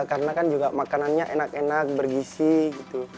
karena kan juga makanannya enak enak bergisi gitu